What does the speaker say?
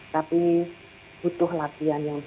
tapi butuh latihan yang